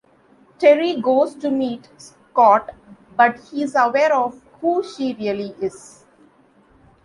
Terry goes to meet Scott, but he's aware of who she really is.